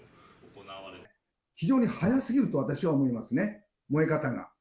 非常に早すぎると、私は思いますね、燃え方が。